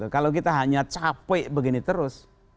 kalau kita hanya capek begini terus